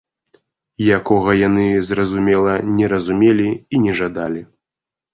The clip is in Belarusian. Якога яны, зразумела, не разумелі і не жадалі.